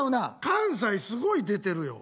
関西すごい出てるよ。